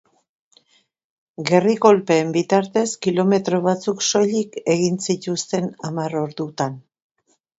Gerri kolpeen bitartez kilometro batuzk soilik egin zituzten hamar ordutan.